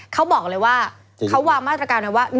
เขาบอกเลยว่าเขาวางมาตรการไว้ว่า